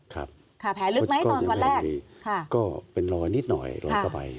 ครับแผลลึกไหมตอนวันแรกก็เป็นรอยนิดหน่อยรอยเข้าไป